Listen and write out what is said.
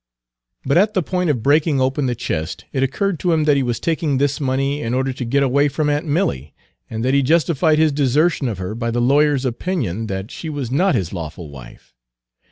Page 224 But at the point of breaking open the chest, it occurred to him that he was taking this money in order to get away from aunt Milly, and that he justified his desertion of her by the lawyer's opinion that she was not his lawful wife.